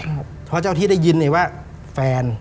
เพราะเจ้าที่ได้ยินเนี่ยว่าแฟน